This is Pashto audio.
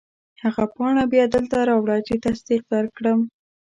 هغه پاڼه بیا دلته راوړه چې تصدیق درکړم.